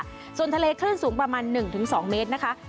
ส่วนทะเลคลื่นสูงประมาณ๑๒เมตรนะคะ